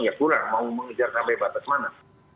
ya kurang mau mengejar sampai batas mana